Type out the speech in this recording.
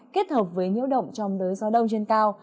kết hợp với nhiễu động trong đới gió đông trên cao